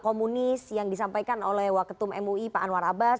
komunis yang disampaikan oleh waketum mui pak anwar abbas